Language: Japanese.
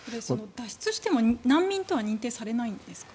脱出しても難民とは認定されないんですか？